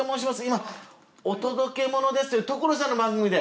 今『お届けモノです！』という所さんの番組で。